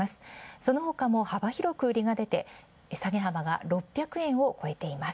そのほかも幅広く売りが出て６００円を超えています。